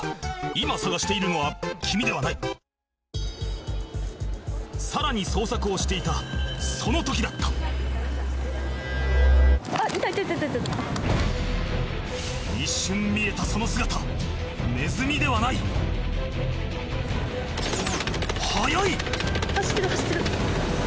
今探しているのは君ではないさらに捜索をしていたその時だった一瞬見えたその姿ネズミではない速い！